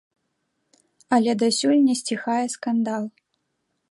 Але дасюль не сціхае скандал.